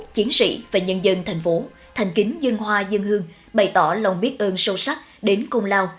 chiến sĩ và nhân dân thành phố thành kính dân hoa dân hương bày tỏ lòng biết ơn sâu sắc đến công lao